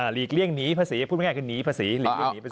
หลีกเลี่ยงหนีภาษีพูดง่ายคือหนีภาษี